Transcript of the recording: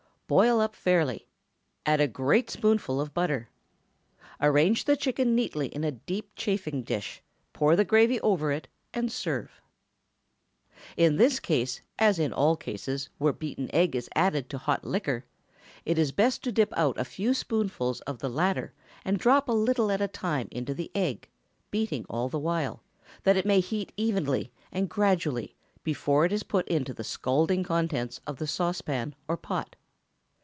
Boil up fairly; add a great spoonful of butter. Arrange the chicken neatly in a deep chafing dish, pour the gravy over it, and serve. In this, as in all cases where beaten egg is added to hot liquor, it is best to dip out a few spoonfuls of the latter, and drop a little at a time into the egg, beating all the while, that it may heat evenly and gradually before it is put into the scalding contents of the saucepan or pot.